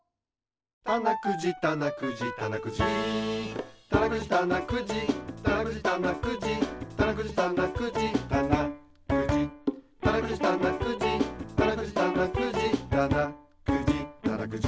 たなくじたなくじたなくじたなくじたなくじたなくじたなくじたなくじたなくじたなくじたなくじたなくじたなくじたなくじたなくじたなくじ